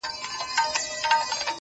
څه ته مي زړه نه غواړي ـ